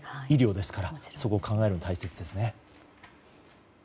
医療ですからそこを考えるのが大切ですね。